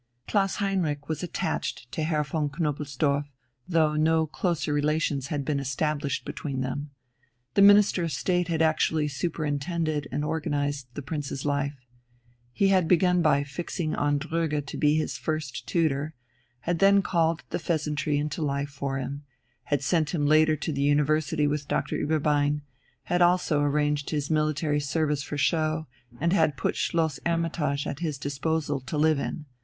Klaus Heinrich was attached to Herr von Knobelsdorff, though no closer relations had been established between them. The Minister of State had actually superintended and organized the Prince's life. He had begun by fixing on Dröge to be his first tutor; had then called the "Pheasantry" into life for him; had sent him later to the University with Dr. Ueberbein; had also arranged his military service for show, and had put Schloss "Hermitage" at his disposal to live in.